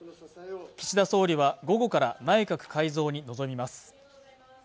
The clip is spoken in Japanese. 岸田総理は午後から内閣改造に臨みます